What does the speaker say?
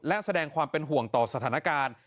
และแสดงความเป็นห่วงต่อสถานการณ์